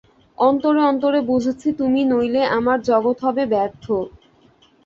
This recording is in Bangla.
অন্তরে অন্তরে বুঝেছি তুমি নইলে আমার জগৎ হবে ব্যর্থ।